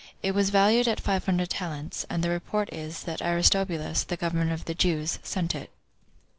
It was valued at five hundred talents; and the report is, that Aristobulus, the governor of the Jews, sent it."